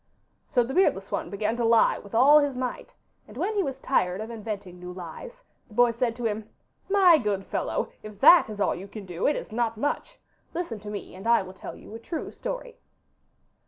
So the beardless one began to lie with all his might, and when he was tired of inventing new lies the boy said to him, 'My good fellow, if THAT is all you can do it is not much! Listen to me, and I will tell you a true story.